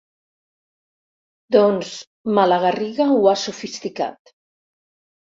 Doncs Malagarriga ho ha sofisticat.